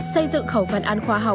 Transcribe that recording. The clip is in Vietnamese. xây dựng khẩu phần ăn